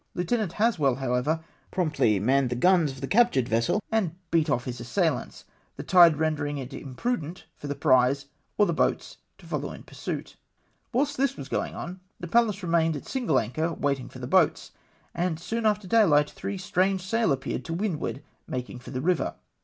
Lieu tenant Haswell, however, promptly manned the guns of the captured vessel, and beat off his assailants, the tide rendering it imprudent for the prize or the boats to folloAV in pursuit. Whilst this was going on, the Pallas remained at single anchor waiting for the boats, and soon after day hght three strange sail appeared to windward, making for the river.